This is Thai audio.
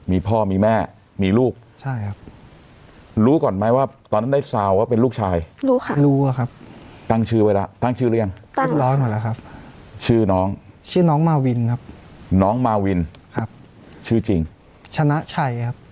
มีพ่อมีแม่มีลูกรู้ก่อนไหมว่าตอนนั้นได้สาวว่าเป็นลูกชายตั้งชื่อไว้แล้วตั้งชื่ออะไรอย่างชื่อน้องชื่อจริงชนะชัยครับ